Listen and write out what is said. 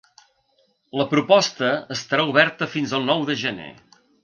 La proposta estarà oberta fins al nou de gener.